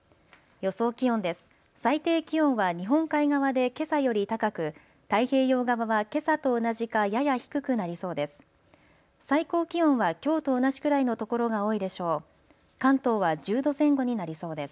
予想気温です。